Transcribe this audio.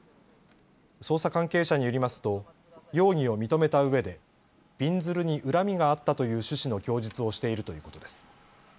捜査関係者によりますと容疑を認めたうえでびんずるに恨みがあったという趣旨の供述をしているということです。